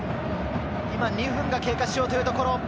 今、２分が経過しようというところ。